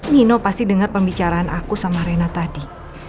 nino pasti dengar pembicaraan aku sama rena tadi